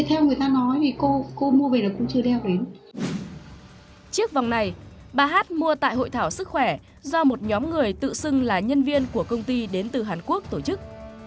chiếc vòng này bà hát mua tại hội thảo sức khỏe do một nhóm người tự xưng là nhân viên của công ty đến từ hàn quốc tổ chức